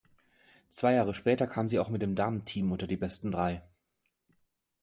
Zwei Jahre später kam sie auch mit dem Damenteam unter die besten drei.